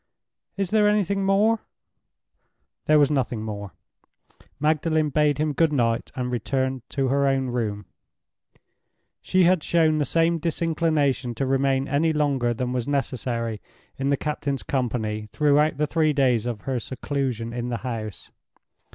"Is there anything more?" There was nothing more. Magdalen bade him good night and returned to her own room. She had shown the same disinclination to remain any longer than was necessary in the captain's company throughout the three days of her seclusion in the house.